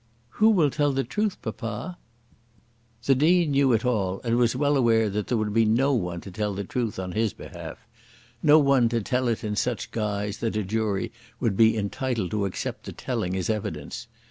"Who will tell the truth, papa?" The Dean knew it all, and was well aware that there would be no one to tell the truth on his behalf, no one to tell it in such guise that a jury would be entitled to accept the telling as evidence.